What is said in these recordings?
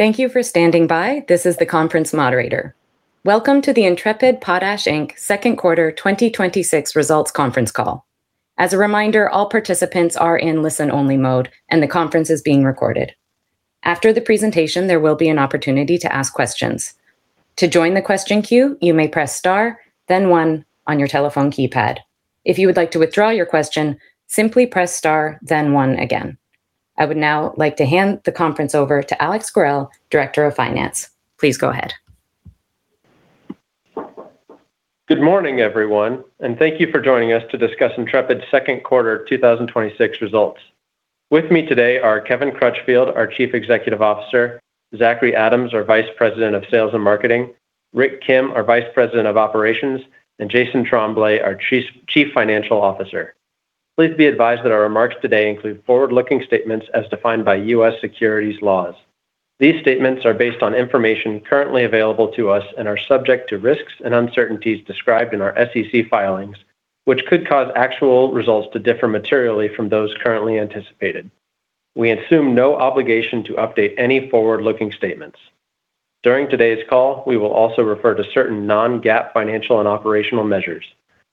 Thank you for standing by. This is the conference moderator. Welcome to the Intrepid Potash Inc second quarter 2026 results conference call. As a reminder, all participants are in listen-only mode and the conference is being recorded. After the presentation, there will be an opportunity to ask questions. To join the question queue, you may press star then one on your telephone keypad. If you would like to withdraw your question, simply press star then one again. I would now like to hand the conference over to Alex Gorrell, Director of Finance. Please go ahead. Good morning, everyone, and thank you for joining us to discuss Intrepid's second quarter 2026 results. With me today are Kevin Crutchfield, our Chief Executive Officer, Zachry Adams, our Vice President of Sales and Marketing, Rick Kim, our Vice President of Operations, and Jason Tremblay, our Chief Financial Officer. Please be advised that our remarks today include forward-looking statements as defined by U.S. securities laws. These statements are based on information currently available to us and are subject to risks and uncertainties described in our SEC filings, which could cause actual results to differ materially from those currently anticipated. We assume no obligation to update any forward-looking statements. During today's call, we will also refer to certain non-GAAP financial and operational measures.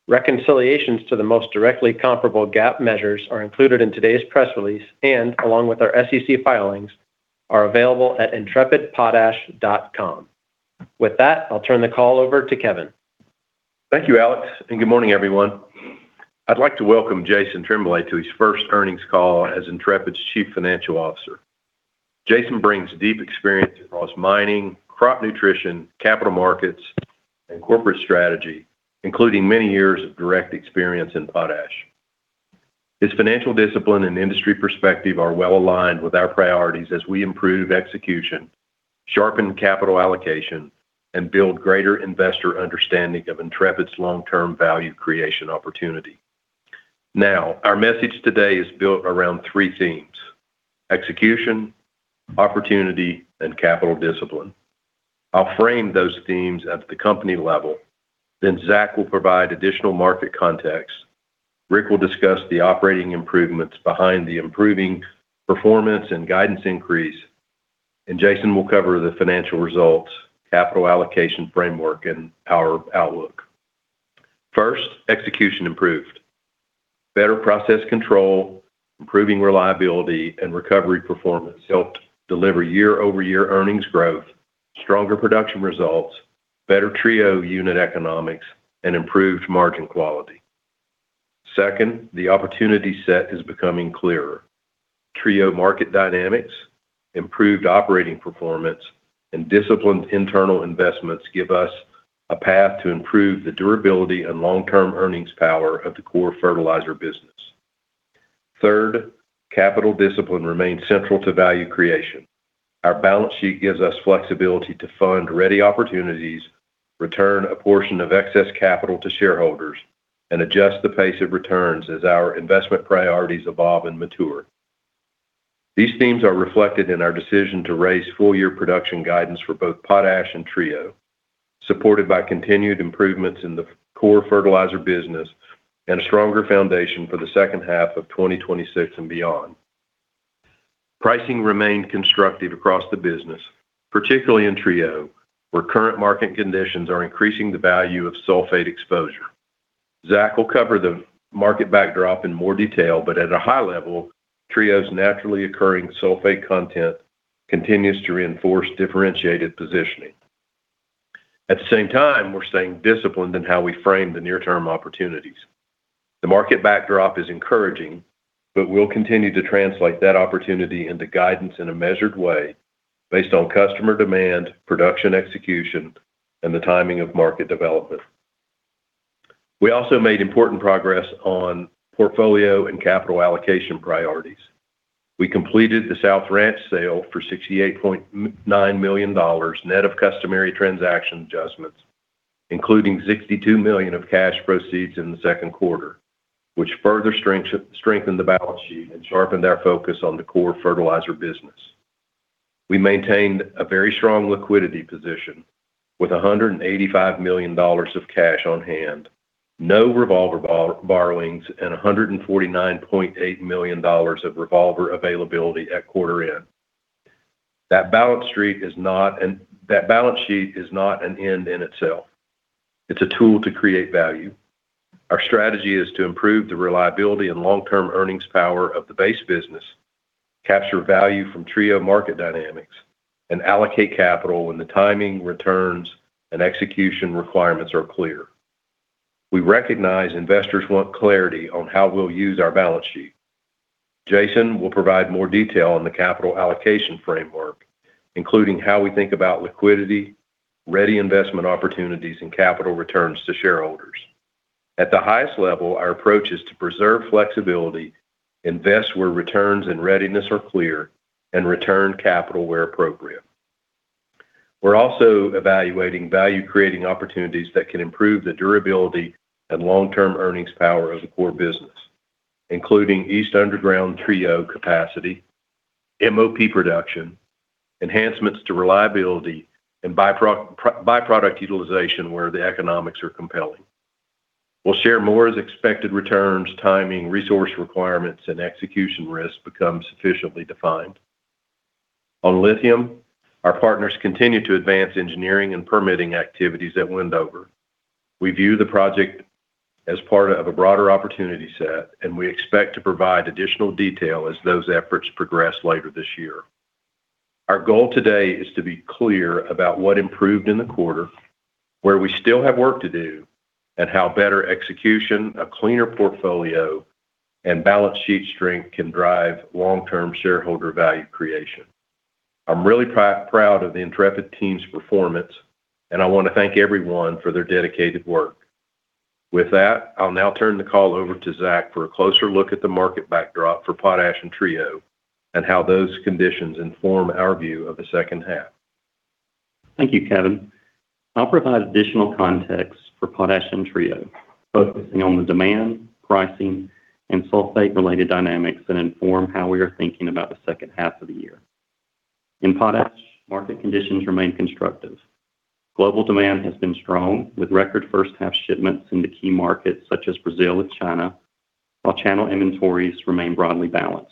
Reconciliations to the most directly comparable GAAP measures are included in today's press release and along with our SEC filings are available at intrepidpotash.com. With that, I'll turn the call over to Kevin. Thank you, Alex, and good morning, everyone. I'd like to welcome Jason Tremblay to his first earnings call as Intrepid's Chief Financial Officer. Jason brings deep experience across mining, crop nutrition, capital markets, and corporate strategy, including many years of direct experience in potash. His financial discipline and industry perspective are well-aligned with our priorities as we improve execution, sharpen capital allocation, and build greater investor understanding of Intrepid's long-term value creation opportunity. Now, our message today is built around three themes: execution, opportunity, and capital discipline. I'll frame those themes at the company level, then Zach will provide additional market context. Rick will discuss the operating improvements behind the improving performance and guidance increase, and Jason will cover the financial results, capital allocation framework, and our outlook. First, execution improved. Better process control, improving reliability, and recovery performance helped deliver year-over-year earnings growth, stronger production results, better Trio unit economics, and improved margin quality. Second, the opportunity set is becoming clearer. Trio market dynamics, improved operating performance, and disciplined internal investments give us a path to improve the durability and long-term earnings power of the core fertilizer business. Third, capital discipline remains central to value creation. Our balance sheet gives us flexibility to fund ready opportunities, return a portion of excess capital to shareholders, and adjust the pace of returns as our investment priorities evolve and mature. These themes are reflected in our decision to raise full-year production guidance for both potash and Trio, supported by continued improvements in the core fertilizer business and a stronger foundation for the second half of 2026 and beyond. Pricing remained constructive across the business, particularly in Trio, where current market conditions are increasing the value of sulfate exposure. Zach will cover the market backdrop in more detail, but at a high level, Trio's naturally occurring sulfate content continues to reinforce differentiated positioning. At the same time, we're staying disciplined in how we frame the near-term opportunities. The market backdrop is encouraging, we'll continue to translate that opportunity into guidance in a measured way based on customer demand, production execution, and the timing of market development. We also made important progress on portfolio and capital allocation priorities. We completed the South Ranch sale for $68.9 million, net of customary transaction adjustments, including $62 million of cash proceeds in the second quarter, which further strengthened the balance sheet and sharpened our focus on the core fertilizer business. We maintained a very strong liquidity position with $185 million of cash on hand, no revolver borrowings, and $149.8 million of revolver availability at quarter end. That balance sheet is not an end in itself. It's a tool to create value. Our strategy is to improve the reliability and long-term earnings power of the base business, capture value from Trio market dynamics, and allocate capital when the timing, returns, and execution requirements are clear. We recognize investors want clarity on how we'll use our balance sheet. Jason will provide more detail on the capital allocation framework, including how we think about liquidity, ready investment opportunities, and capital returns to shareholders. At the highest level, our approach is to preserve flexibility, invest where returns and readiness are clear, and return capital where appropriate. We're also evaluating value-creating opportunities that can improve the durability and long-term earnings power of the core business, including east underground Trio capacity, MOP production, enhancements to reliability, and byproduct utilization where the economics are compelling. We'll share more as expected returns, timing, resource requirements, and execution risks become sufficiently defined. On lithium, our partners continue to advance engineering and permitting activities at Wendover. We view the project as part of a broader opportunity set, and we expect to provide additional detail as those efforts progress later this year. Our goal today is to be clear about what improved in the quarter, where we still have work to do, and how better execution, a cleaner portfolio, and balance sheet strength can drive long-term shareholder value creation. I'm really proud of the Intrepid team's performance, and I want to thank everyone for their dedicated work. With that, I'll now turn the call over to Zachry for a closer look at the market backdrop for Potash and Trio, and how those conditions inform our view of the second half. Thank you, Kevin. I'll provide additional context for Potash and Trio, focusing on the demand, pricing, and sulfate-related dynamics that inform how we are thinking about the second half of the year. In potash, market conditions remain constructive. Global demand has been strong, with record first half shipments into key markets such as Brazil and China, while channel inventories remain broadly balanced.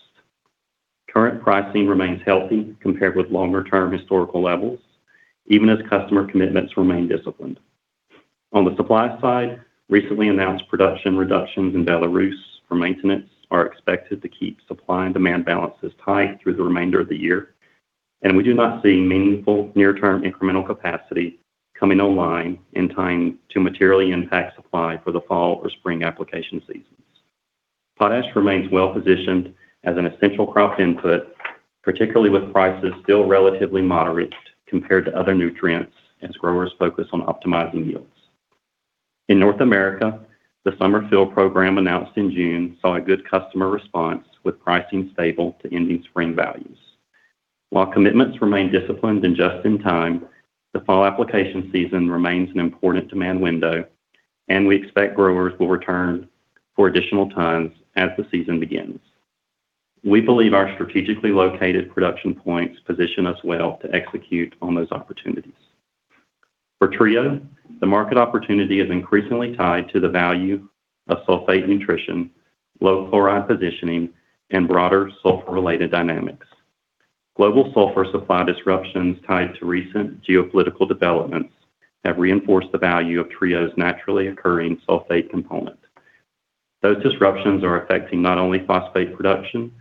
Current pricing remains healthy compared with longer-term historical levels, even as customer commitments remain disciplined. On the supply side, recently announced production reductions in Belarus for maintenance are expected to keep supply and demand balances tight through the remainder of the year. We do not see meaningful near-term incremental capacity coming online in time to materially impact supply for the fall or spring application seasons. Potash remains well-positioned as an essential crop input, particularly with prices still relatively moderate compared to other nutrients as growers focus on optimizing yields. In North America, the summer fill program announced in June saw a good customer response with pricing stable to ending spring values. While commitments remain disciplined and just in time, the fall application season remains an important demand window. We expect growers will return for additional tons as the season begins. We believe our strategically located production points position us well to execute on those opportunities. For Trio, the market opportunity is increasingly tied to the value of sulfate nutrition, low chloride positioning, and broader sulfur-related dynamics. Global sulfur supply disruptions tied to recent geopolitical developments have reinforced the value of Trio's naturally occurring sulfate component. Those disruptions are affecting not only phosphate production,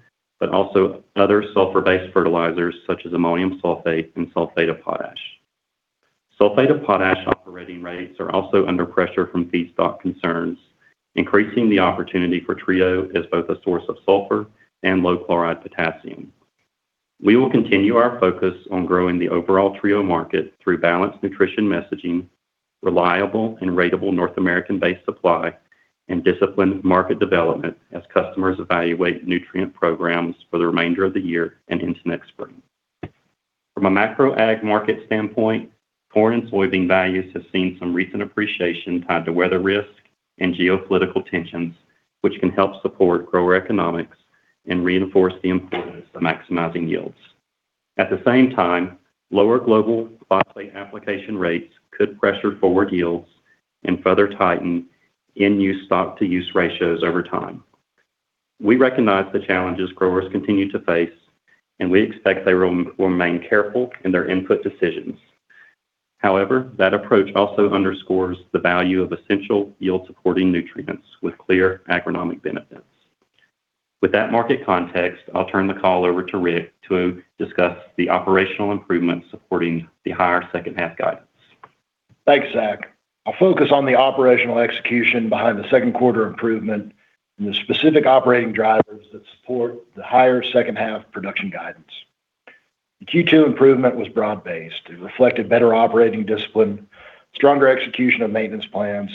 also other sulfur-based fertilizers such as ammonium sulfate and sulfate of potash. Sulfate of potash operating rates are also under pressure from feedstock concerns, increasing the opportunity for Trio as both a source of sulfur and low chloride potassium. We will continue our focus on growing the overall Trio market through balanced nutrition messaging, reliable and ratable North American-based supply, and disciplined market development as customers evaluate nutrient programs for the remainder of the year and into next spring. From a macro ag market standpoint, corn and soybean values have seen some recent appreciation tied to weather risk and geopolitical tensions, which can help support grower economics and reinforce the importance of maximizing yields. At the same time, lower global phosphate application rates could pressure forward yields and further tighten end-use stock-to-use ratios over time. We recognize the challenges growers continue to face, we expect they will remain careful in their input decisions. However, that approach also underscores the value of essential yield-supporting nutrients with clear agronomic benefits. With that market context, I'll turn the call over to Rick to discuss the operational improvements supporting the higher second half guidance. Thanks, Zach. I'll focus on the operational execution behind the second quarter improvement and the specific operating drivers that support the higher second half production guidance. The Q2 improvement was broad-based. It reflected better operating discipline, stronger execution of maintenance plans,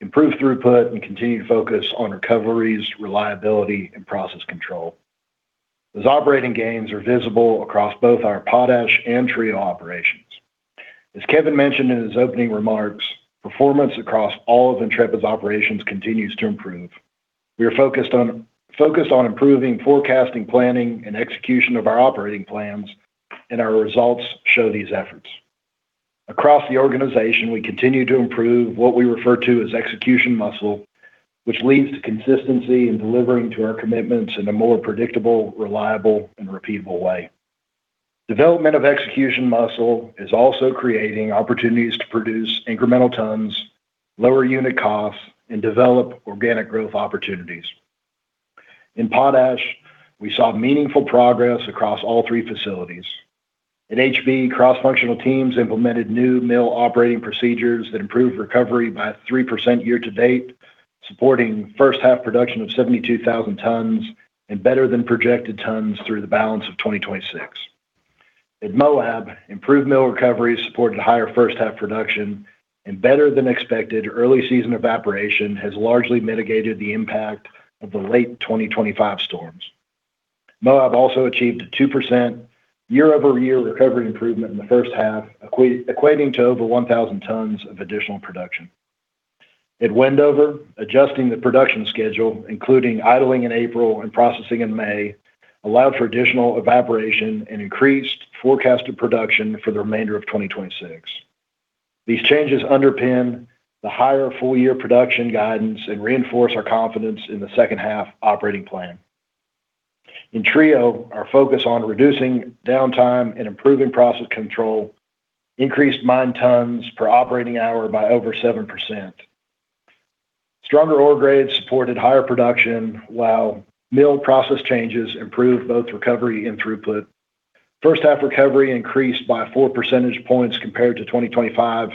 improved throughput, and continued focus on recoveries, reliability, and process control. Those operating gains are visible across both our Potash and Trio operations. As Kevin mentioned in his opening remarks, performance across all of Intrepid's operations continues to improve. We are focused on improving forecasting, planning, and execution of our operating plans, our results show these efforts. Across the organization, we continue to improve what we refer to as execution muscle, which leads to consistency in delivering to our commitments in a more predictable, reliable, and repeatable way. Development of execution muscle is also creating opportunities to produce incremental tons, lower unit costs, and develop organic growth opportunities. In Potash, we saw meaningful progress across all three facilities. At HB, cross-functional teams implemented new mill operating procedures that improved recovery by 3% year to date, supporting first half production of 72,000 tons and better than projected tons through the balance of 2026. At Moab, improved mill recovery supported higher first half production, and better than expected early season evaporation has largely mitigated the impact of the late 2025 storms. Moab also achieved a 2% year-over-year recovery improvement in the first half, equating to over 1,000 tons of additional production. At Wendover, adjusting the production schedule, including idling in April and processing in May allowed for additional evaporation and increased forecasted production for the remainder of 2026. These changes underpin the higher full-year production guidance and reinforce our confidence in the second half operating plan. In Trio, our focus on reducing downtime and improving process control increased mine tons per operating hour by over 7%. Stronger ore grades supported higher production, while mill process changes improved both recovery and throughput. First half recovery increased by four percentage points compared to 2025,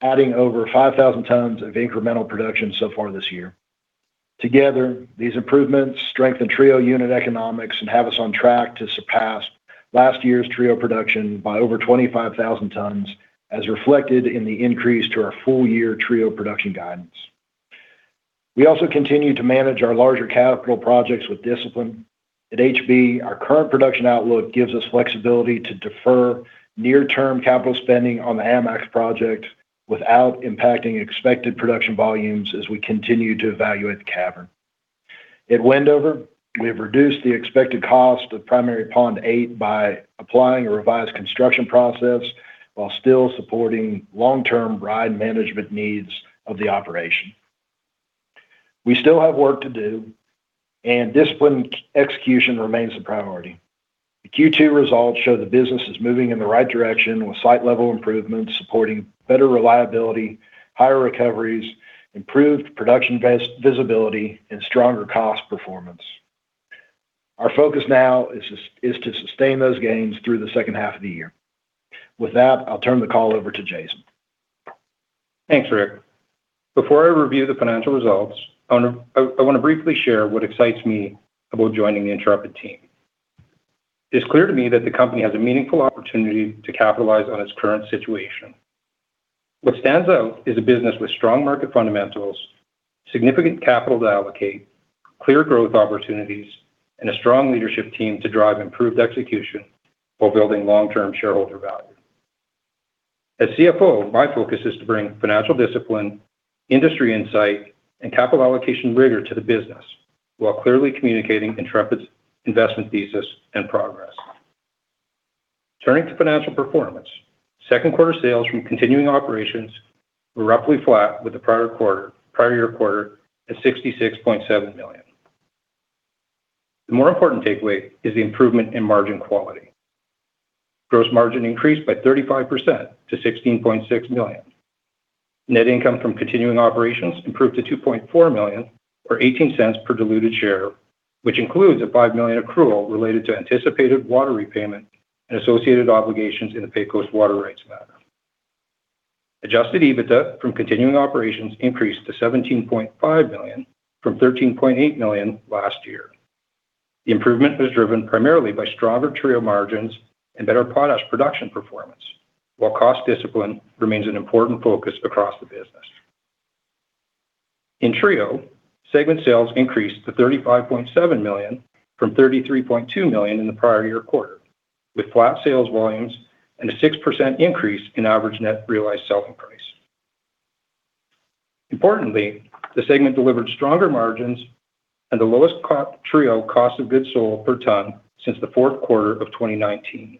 adding over 5,000 tons of incremental production so far this year. Together, these improvements strengthen Trio unit economics and have us on track to surpass last year's Trio production by over 25,000 tons, as reflected in the increase to our full-year Trio production guidance. We also continue to manage our larger capital projects with discipline. At HB, our current production outlook gives us flexibility to defer near-term capital spending on the AMAX project without impacting expected production volumes as we continue to evaluate the cavern. At Wendover, we have reduced the expected cost of Primary Pond 8 by applying a revised construction process while still supporting long-term ride management needs of the operation. We still have work to do, and disciplined execution remains a priority. The Q2 results show the business is moving in the right direction, with site level improvements supporting better reliability, higher recoveries, improved production visibility, and stronger cost performance. Our focus now is to sustain those gains through the second half of the year. With that, I'll turn the call over to Jason. Thanks, Rick. Before I review the financial results, I want to briefly share what excites me about joining the Intrepid team. It's clear to me that the company has a meaningful opportunity to capitalize on its current situation. What stands out is a business with strong market fundamentals, significant capital to allocate, clear growth opportunities, and a strong leadership team to drive improved execution while building long-term shareholder value. As CFO, my focus is to bring financial discipline, industry insight, and capital allocation rigor to the business while clearly communicating Intrepid's investment thesis and progress. Turning to financial performance, second quarter sales from continuing operations were roughly flat with the prior year quarter at $66.7 million. The more important takeaway is the improvement in margin quality. Gross margin increased by 35% to $16.6 million. Net income from continuing operations improved to $2.4 million or $0.18 per diluted share, which includes a $5 million accrual related to anticipated water repayment and associated obligations in the Pecos water rights matter. Adjusted EBITDA from continuing operations increased to $17.5 million from $13.8 million last year. The improvement was driven primarily by stronger Trio margins and better potash production performance, while cost discipline remains an important focus across the business. In Trio, segment sales increased to $35.7 million from $33.2 million in the prior year quarter, with flat sales volumes and a 6% increase in average net realized selling price. Importantly, the segment delivered stronger margins and the lowest Trio cost of goods sold per ton since the fourth quarter of 2019,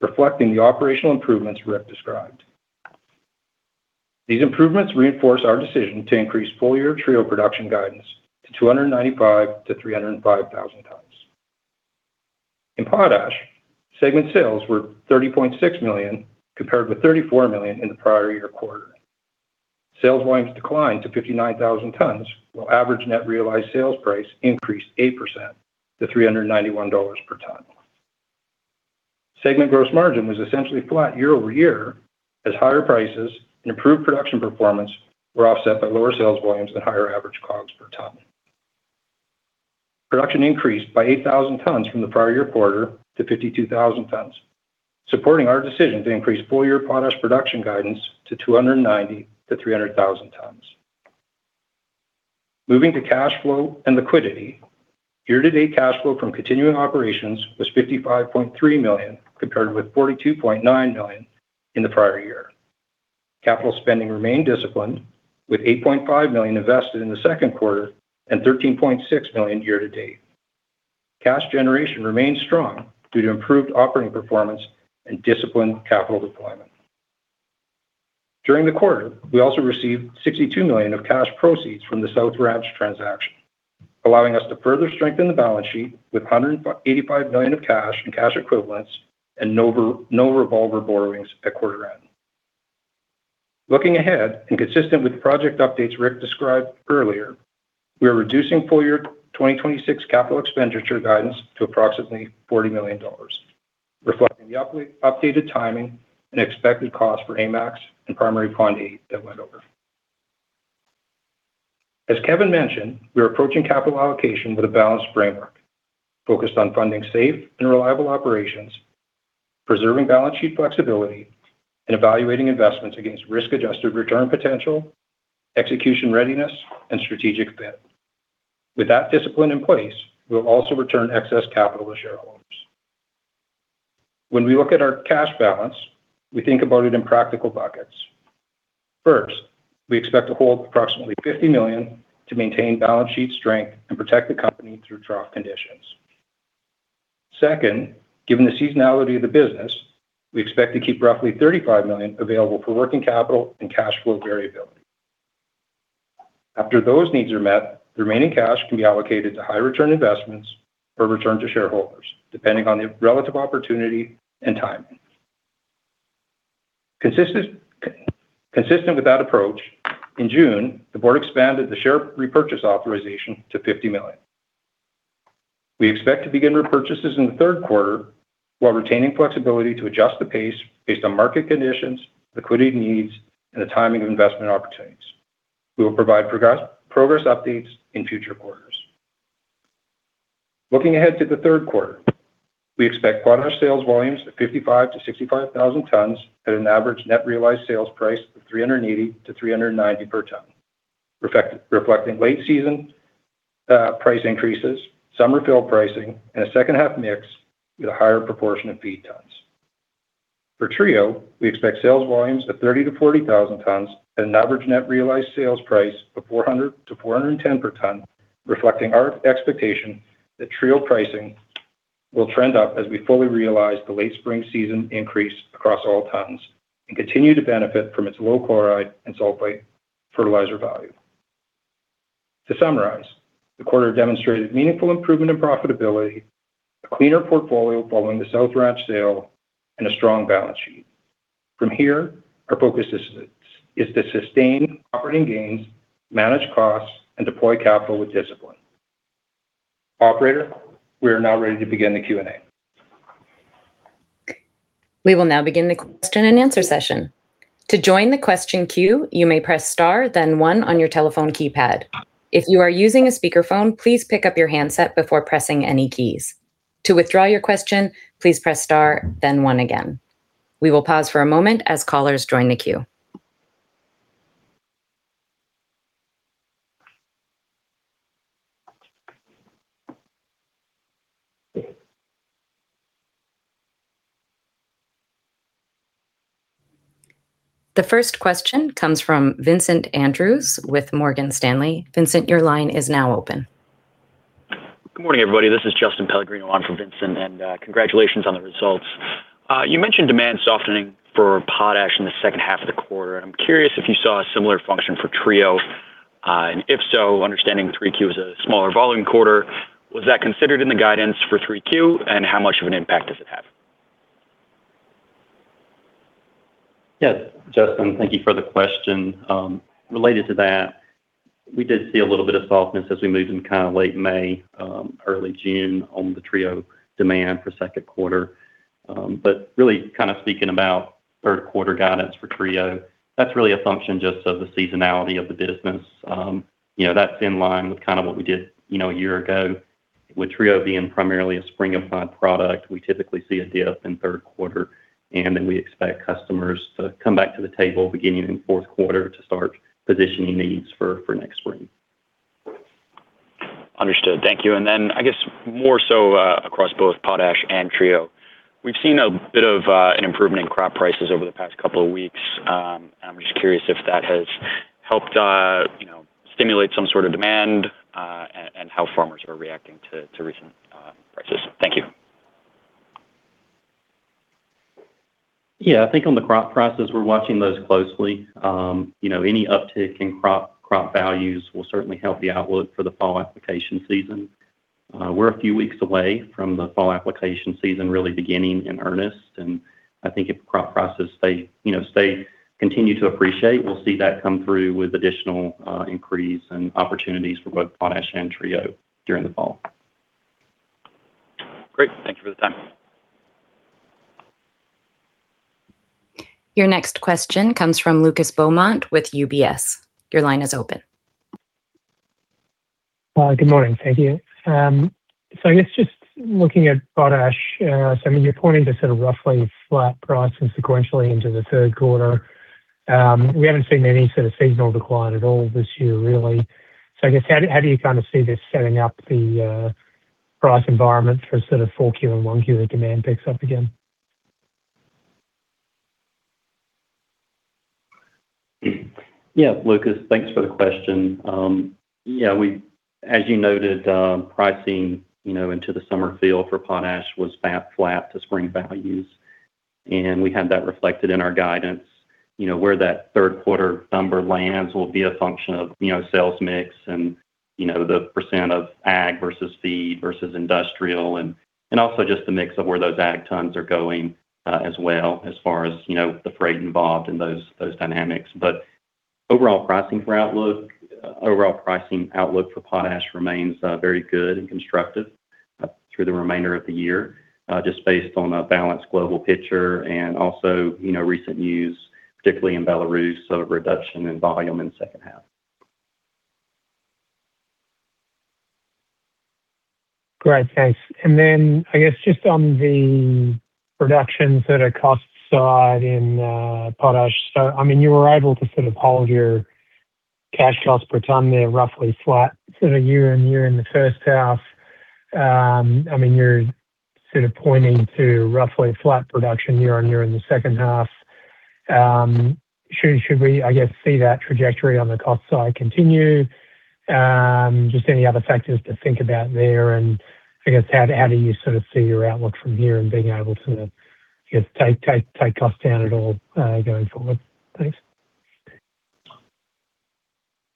reflecting the operational improvements Rick described. These improvements reinforce our decision to increase full-year Trio production guidance to 295,000 tons-305,000 tons. In potash, segment sales were $30.6 million, compared with $34 million in the prior year quarter. Sales volumes declined to 59,000 tons, while average net realized sales price increased 8% to $391 per ton. Segment gross margin was essentially flat year-over-year, as higher prices and improved production performance were offset by lower sales volumes and higher average COGS per ton. Production increased by 8,000 tons from the prior year quarter to 52,000 tons, supporting our decision to increase full-year potash production guidance to 290,000 tons-300,000 tons. Moving to cash flow and liquidity, year-to-date cash flow from continuing operations was $55.3 million, compared with $42.9 million in the prior year. Capital spending remained disciplined, with $8.5 million invested in the second quarter and $13.6 million year-to-date. Cash generation remains strong due to improved operating performance and disciplined capital deployment. During the quarter, we also received $62 million of cash proceeds from the Intrepid South Ranch transaction, allowing us to further strengthen the balance sheet with $185 million of cash and cash equivalents and no revolver borrowings at quarter end. Looking ahead, consistent with project updates Rick described earlier, we are reducing full-year 2026 capital expenditure guidance to approximately $40 million, reflecting the updated timing and expected cost for AMAX and Primary Pond 8 at Wendover. As Kevin mentioned, we are approaching capital allocation with a balanced framework focused on funding safe and reliable operations, preserving balance sheet flexibility, and evaluating investments against risk-adjusted return potential, execution readiness, and strategic fit. With that discipline in place, we'll also return excess capital to shareholders. When we look at our cash balance, we think about it in practical buckets. First, we expect to hold approximately $50 million to maintain balance sheet strength and protect the company through trough conditions. Second, given the seasonality of the business, we expect to keep roughly $35 million available for working capital and cash flow variability. After those needs are met, the remaining cash can be allocated to high return investments or returned to shareholders, depending on the relative opportunity and timing. Consistent with that approach, in June, the board expanded the share repurchase authorization to $50 million. We expect to begin repurchases in the third quarter while retaining flexibility to adjust the pace based on market conditions, liquidity needs, and the timing of investment opportunities. We will provide progress updates in future quarters. Looking ahead to the third quarter, we expect potash sales volumes of 55,000 tons-65,000 tons at an average net realized sales price of $380/ton-$390/ton, reflecting late season price increases, summer fill pricing, and a second half mix with a higher proportion of feed tons. For Trio, we expect sales volumes of 30,000 tons-40,000 tons at an average net realized sales price of $400/ton-$410/ton, reflecting our expectation that Trio pricing will trend up as we fully realize the late spring season increase across all tons and continue to benefit from its low chloride and sulfate fertilizer value. To summarize, the quarter demonstrated meaningful improvement in profitability, a cleaner portfolio following the South Ranch sale, and a strong balance sheet. From here, our focus is to sustain operating gains, manage costs, and deploy capital with discipline. Operator, we are now ready to begin the Q&A. We will now begin the question and answer session. To join the question queue, you may press star then one on your telephone keypad. If you are using a speakerphone, please pick up your handset before pressing any keys. To withdraw your question, please press star then one again. We will pause for a moment as callers join the queue. The first question comes from Vincent Andrews with Morgan Stanley. Vincent, your line is now open. Good morning, everybody. This is Justin Pellegrino on for Vincent. Congratulations on the results. You mentioned demand softening for potash in the second half of the quarter. I'm curious if you saw a similar function for Trio, and if so, understanding 3Q is a smaller volume quarter, was that considered in the guidance for 3Q, and how much of an impact does it have? Yes, Justin, thank you for the question. Related to that, we did see a little bit of softness as we moved into late May, early June on the Trio demand for second quarter. Really speaking about third quarter guidance for Trio, that's really a function just of the seasonality of the business. That's in line with what we did a year ago with Trio being primarily a spring applied product. We typically see a dip in the third quarter, and then we expect customers to come back to the table beginning in the fourth quarter to start positioning needs for next spring. Understood. Thank you. Then I guess more so across both potash and Trio, we've seen a bit of an improvement in crop prices over the past couple of weeks. I'm just curious if that has helped stimulate some sort of demand and how farmers are reacting to recent prices. Thank you. Yeah, I think on the crop prices, we're watching those closely. Any uptick in crop values will certainly help the outlook for the fall application season. We're a few weeks away from the fall application season really beginning in earnest. I think if crop prices continue to appreciate, we'll see that come through with additional increase and opportunities for both potash and Trio during the fall. Great. Thank you for the time. Your next question comes from Lucas Beaumont with UBS. Your line is open. Good morning. Thank you. I guess just looking at potash, I mean, you're pointing to sort of roughly flat pricing sequentially into the third quarter. We haven't seen any sort of seasonal decline at all this year, really. I guess, how do you kind of see this setting up the price environment for sort of 4Q and 1Q when demand picks up again? Yeah, Lucas, thanks for the question. As you noted, pricing into the summer field for potash was about flat to spring values, and we have that reflected in our guidance. Where that third quarter number lands will be a function of sales mix and the percent of ag versus feed versus industrial and also just the mix of where those ag tons are going as well as far as the freight involved and those dynamics. Overall pricing outlook for potash remains very good and constructive through the remainder of the year, just based on a balanced global picture and also recent news, particularly in Belarus, of a reduction in volume in the second half. Great, thanks. I guess just on the production sort of cost side in potash, you were able to sort of hold your cash costs per ton there roughly flat sort of year-on-year in the first half. You're sort of pointing to roughly flat production year-on-year in the second half. Should we, I guess, see that trajectory on the cost side continue? Just any other factors to think about there, and I guess how do you sort of see your outlook from here and being able to just take costs down at all going forward? Thanks.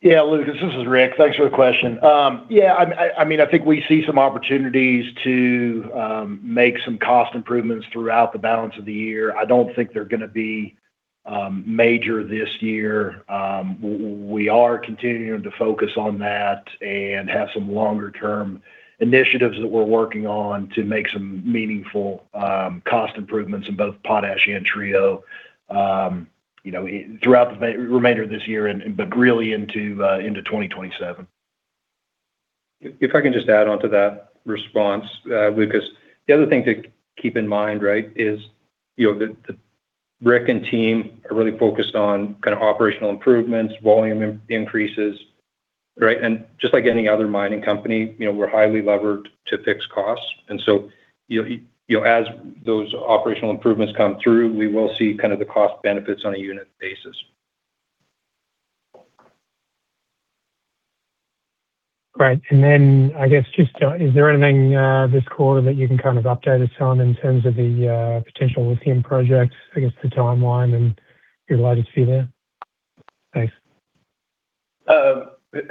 Yeah, Lucas, this is Rick. Thanks for the question. I think we see some opportunities to make some cost improvements throughout the balance of the year. I don't think they're going to be major this year. We are continuing to focus on that and have some longer-term initiatives that we're working on to make some meaningful cost improvements in both potash and Trio throughout the remainder of this year, but really into 2027. If I can just add on to that response, Lucas. The other thing to keep in mind is that Rick and team are really focused on kind of operational improvements, volume increases. Just like any other mining company, we're highly levered to fixed costs. As those operational improvements come through, we will see kind of the cost benefits on a unit basis. Great. Is there anything this quarter that you can kind of update us on in terms of the potential lithium project, I guess the timeline and your latest view there? Thanks.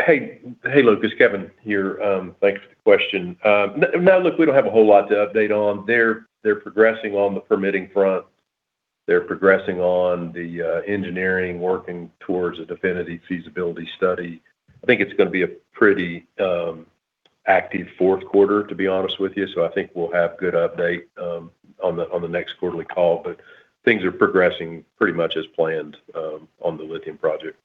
Hey, Lucas. Kevin here. Thanks for the question. No, look, we don't have a whole lot to update on. They're progressing on the permitting front. They're progressing on the engineering, working towards a definitive feasibility study. I think it's going to be a pretty active fourth quarter, to be honest with you. I think we'll have good update on the next quarterly call. Things are progressing pretty much as planned on the lithium project.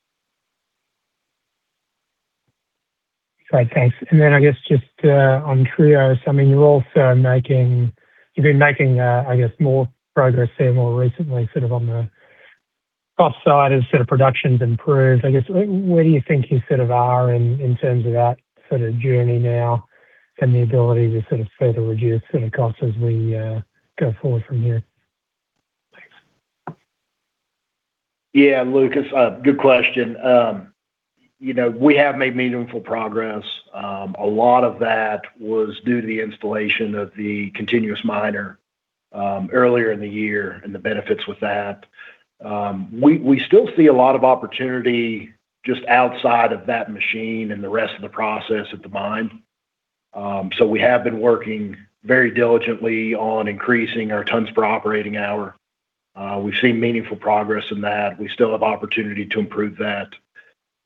Great, thanks. I guess just on Trio, you've been making, I guess, more progress there more recently sort of on the cost side as sort of production's improved. I guess where do you think you sort of are in terms of that sort of journey now and the ability to sort of further reduce costs as we go forward from here? Thanks. Yeah. Lucas, good question. We have made meaningful progress. A lot of that was due to the installation of the continuous miner earlier in the year and the benefits with that. We still see a lot of opportunity just outside of that machine and the rest of the process at the mine. We have been working very diligently on increasing our tons per operating hour. We've seen meaningful progress in that. We still have opportunity to improve that.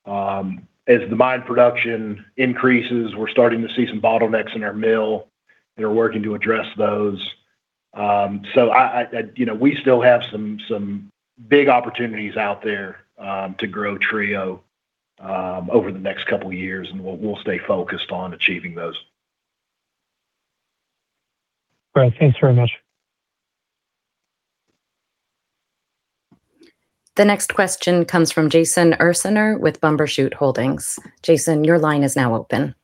As the mine production increases, we're starting to see some bottlenecks in our mill, and are working to address those. We still have some big opportunities out there to grow Trio over the next couple of years, and we'll stay focused on achieving those. Great. Thanks very much. The next question comes from Jason Ursaner with Bumbershoot Holdings. Jason, your line is now open.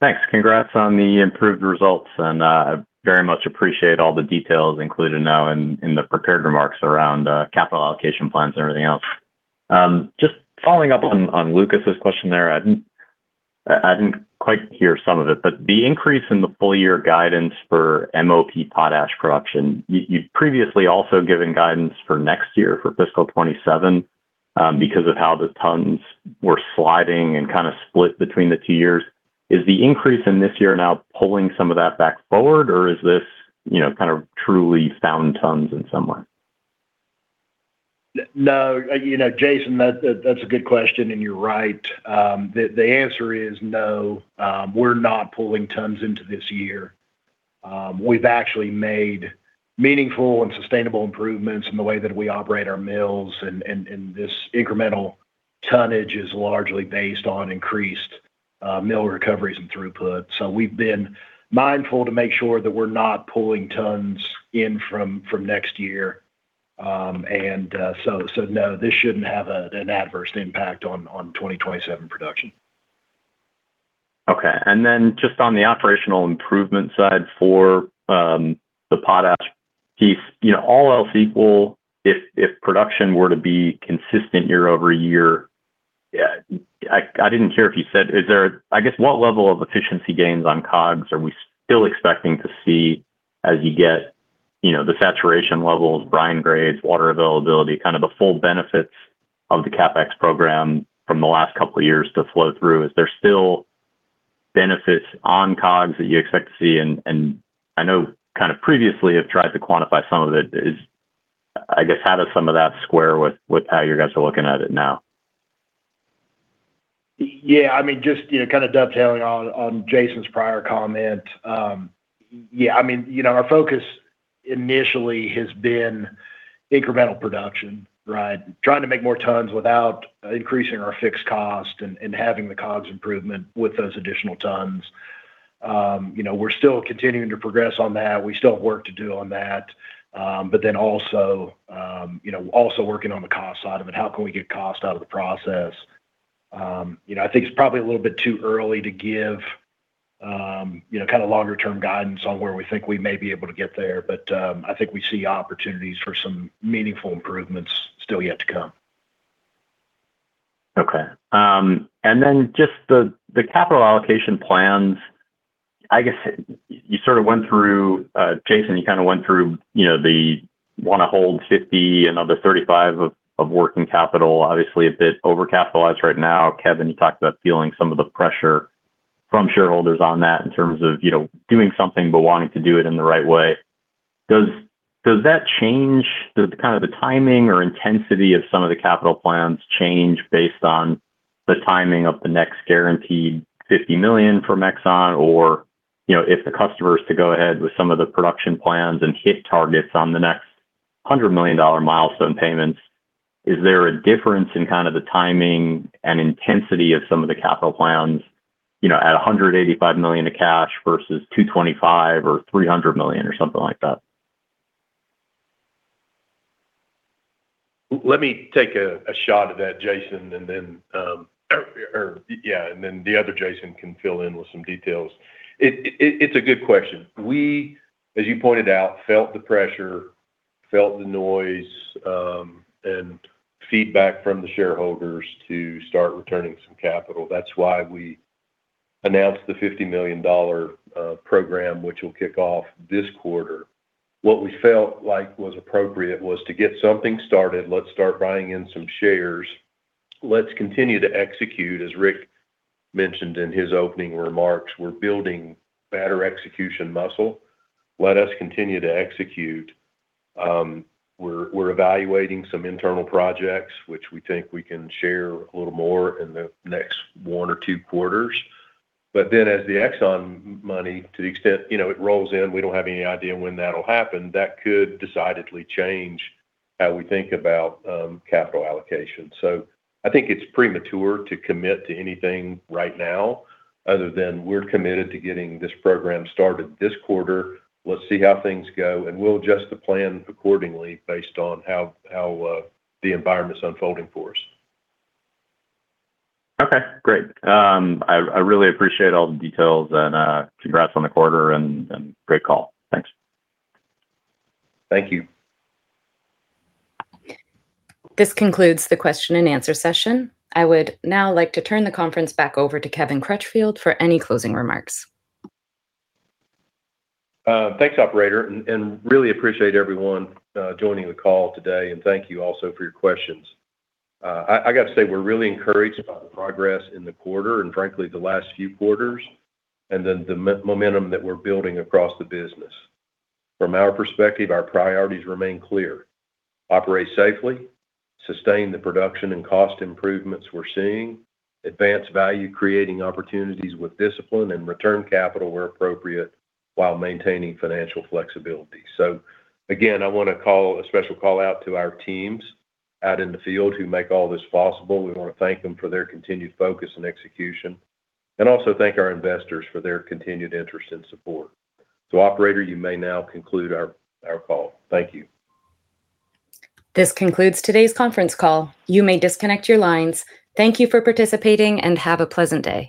Thanks. Congrats on the improved results. I very much appreciate all the details included now in the prepared remarks around capital allocation plans and everything else. Just following up on Lucas's question there. I didn't quite hear some of it, but the increase in the full year guidance for MOP potash production, you'd previously also given guidance for next year, for fiscal 2027, because of how the tons were sliding and kind of split between the two years. Is the increase in this year now pulling some of that back forward, or is this kind of truly found tons in some way? No. Jason, that's a good question, and you're right. The answer is no, we're not pulling tons into this year. We've actually made meaningful and sustainable improvements in the way that we operate our mills. This incremental tonnage is largely based on increased mill recoveries and throughput. We've been mindful to make sure that we're not pulling tons in from next year. No, this shouldn't have an adverse impact on 2027 production. Okay. Just on the operational improvement side for the potash piece. All else equal, if production were to be consistent year-over-year, I didn't hear if you said, I guess what level of efficiency gains on COGS are we still expecting to see as you get the saturation levels, brine grades, water availability, kind of the full benefits of the CapEx program from the last couple of years to flow through? Is there still benefits on COGS that you expect to see? I know kind of previously you've tried to quantify some of it. I guess how does some of that square with how you guys are looking at it now? Yeah, just kind of dovetailing on Jason's prior comment. Our focus initially has been incremental production. Trying to make more tons without increasing our fixed costs and having the COGS improvement with those additional tons. We're still continuing to progress on that. We still have work to do on that. Also working on the cost side of it, how can we get cost out of the process? I think it's probably a little bit too early to give longer-term guidance on where we think we may be able to get there. I think we see opportunities for some meaningful improvements still yet to come. Okay. Just the capital allocation plans, I guess, Jason, you kind of went through the want to hold $50 million, another $35 million of working capital, obviously a bit over-capitalized right now. Kevin, you talked about feeling some of the pressure from shareholders on that in terms of doing something, but wanting to do it in the right way. Does that change the timing or intensity of some of the capital plans change based on the timing of the next guaranteed $50 million from Exxon? Or if the customer is to go ahead with some of the production plans and hit targets on the next $100 million milestone payments, is there a difference in the timing and intensity of some of the capital plans at $185 million of cash versus $225 million or $300 million, or something like that? Let me take a shot at that, Jason, and then the other Jason can fill in with some details. It's a good question. We, as you pointed out, felt the pressure, felt the noise, and feedback from the shareholders to start returning some capital. That's why we announced the $50 million program, which will kick off this quarter. What we felt like was appropriate was to get something started, let's start buying in some shares. Let's continue to execute, as Rick mentioned in his opening remarks. We're building better execution muscle. Let us continue to execute. We're evaluating some internal projects, which we think we can share a little more in the next one or two quarters. As the Exxon money, to the extent it rolls in, we don't have any idea when that'll happen. That could decidedly change how we think about capital allocation. I think it's premature to commit to anything right now other than we're committed to getting this program started this quarter. Let's see how things go, and we'll adjust the plan accordingly based on how the environment's unfolding for us. Okay, great. I really appreciate all the details and congrats on the quarter, and great call. Thanks. Thank you. This concludes the question and answer session. I would now like to turn the conference back over to Kevin Crutchfield for any closing remarks. Thanks, operator, and really appreciate everyone joining the call today. Thank you also for your questions. I got to say, we're really encouraged by the progress in the quarter and frankly, the last few quarters, and the momentum that we're building across the business. From our perspective, our priorities remain clear. Operate safely, sustain the production and cost improvements we're seeing, advance value-creating opportunities with discipline, and return capital where appropriate while maintaining financial flexibility. Again, I want to call a special call out to our teams out in the field who make all this possible. We want to thank them for their continued focus and execution, and also thank our investors for their continued interest and support. Operator, you may now conclude our call. Thank you. This concludes today's conference call. You may disconnect your lines. Thank you for participating, and have a pleasant day.